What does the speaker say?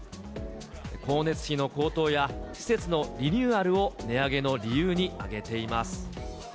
光熱費の高騰や、施設のリニューアルを値上げの理由に挙げています。